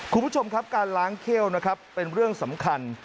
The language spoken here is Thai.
คุณผู้ชมครับการล้างเข้วนะครับเป็นเรื่องสำคัญ